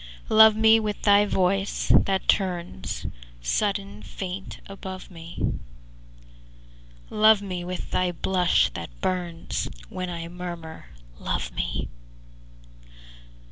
VI Love me with thy voice, that turns Sudden faint above me; Love me with thy blush that burns When I murmur 'Love me!'